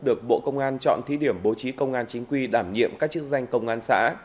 được bộ công an chọn thí điểm bố trí công an chính quy đảm nhiệm các chức danh công an xã